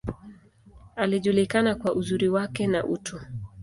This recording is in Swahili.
Alijulikana kwa uzuri wake, na utu.